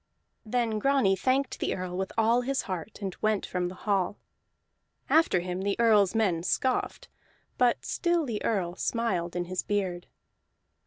Then Grani thanked the Earl with all his heart, and went from the hall; after him the Earl's men scoffed, but still the Earl smiled in his beard.